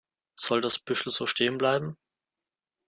Soll das Büschel so stehen bleiben?